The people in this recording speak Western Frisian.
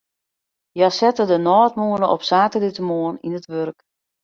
Hja sette de nôtmûne op saterdeitemoarn yn it wurk.